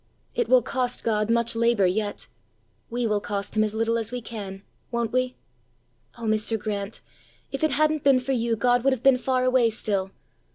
It will cost God much labour yet: we will cost him as little as we can won't we? Oh, Mr. Grant, if it hadn't been for you, God would have been far away still!